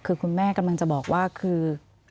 คือคุณแม่กำลังจะบอกว่าคือ